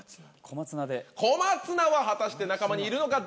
小松菜は果たして仲間にいるのか？